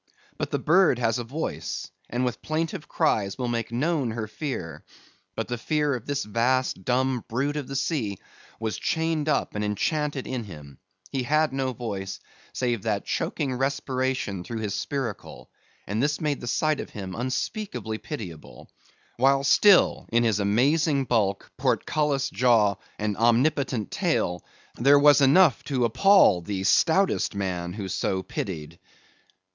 But the bird has a voice, and with plaintive cries will make known her fear; but the fear of this vast dumb brute of the sea, was chained up and enchanted in him; he had no voice, save that choking respiration through his spiracle, and this made the sight of him unspeakably pitiable; while still, in his amazing bulk, portcullis jaw, and omnipotent tail, there was enough to appal the stoutest man who so pitied.